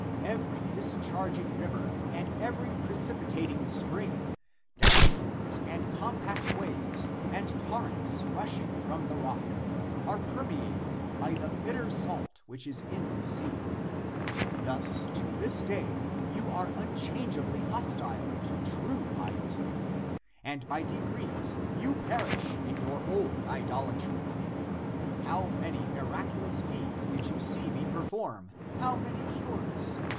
Every discharging river and every precipitating spring, downpours and compact waves and torrents rushing from the rock, are permeated by the bitter salt which is in the sea. Thus to this day you are unchangeably hostile to true piety, and by degrees you perish in your old idolatry. How many miraculous deeds did you see me perform, how many cures